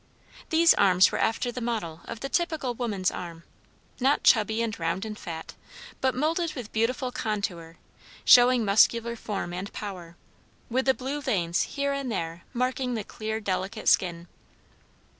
These arms were after the model of the typical woman's arm; not chubby and round and fat, but moulded with beautiful contour, showing muscular form and power, with the blue veins here and there marking the clear delicate skin.